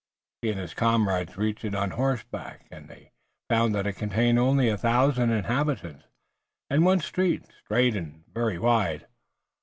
He and his comrades reached it on horseback, and they found that it contained only a thousand inhabitants, and one street, straight and very wide.